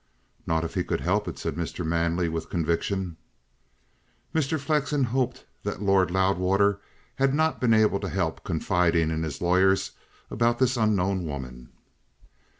"Not if he could help it," said Mr. Manley with conviction. Mr. Flexen hoped that Lord Loudwater had not been able to help confiding in his lawyers about this unknown woman.